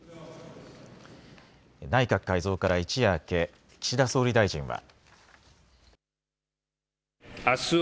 内閣改造から一夜明け岸田総理大臣は。